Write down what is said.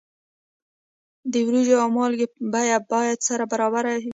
د وریجو او مالګې بیه باید سره برابره وي.